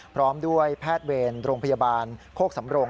พร้อมด้วยแพทย์เวรโรงพยาบาลโคกสำรง